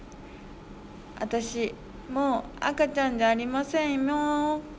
『あたしもうあかちゃんじゃありませんよう。